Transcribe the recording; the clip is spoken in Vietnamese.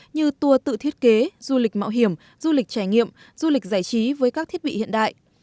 như tour tự thiết kế du lịch mạo hiểm du lịch trải nghiệm du lịch giải trí với các thiết bị hiện đại